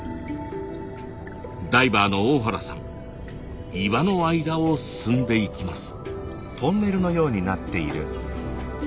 ダイバーの大原さん岩の間を進んでいきます。